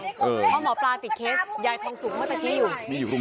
หรือเพราะหมอปลาติดเคสย่ายผ่องสุขเพราะเมื่อกี้อยู่